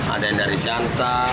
ada yang dari jantar